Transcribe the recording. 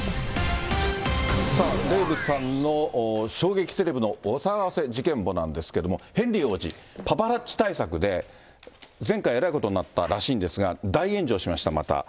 さあ、デーブさんの衝撃セレブのお騒がせ事件簿なんですけれども、ヘンリー王子、パパラッチ対策で、前回えらいことになったらしいんですが、大炎上しました、また。